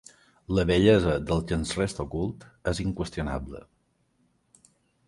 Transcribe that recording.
La bellesa del que ens resta ocult és inqüestionable.